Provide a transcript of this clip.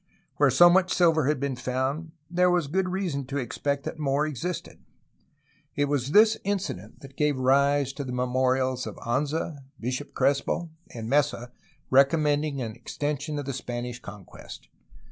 Where so much silver had been found, there was good reason to expect that more existed. PROGRESS OF OVERLAND ADVANCE 195 It was this incident that gave rise to the memorials of Anza, Bishop Crespo, and Messa recommending an exten sion of the Spanish conquest.